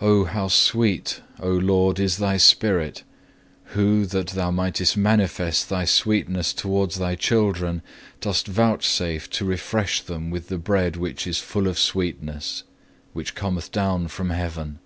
O how sweet, O Lord, is Thy spirit, who that Thou mightest manifest Thy sweetness towards Thy children, dost vouchsafe to refresh them with the bread which is full of sweetness, which cometh down from heaven.